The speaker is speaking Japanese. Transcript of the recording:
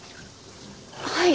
はい。